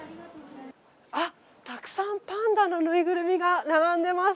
たくさんパンダのぬいぐるみが並んでいます。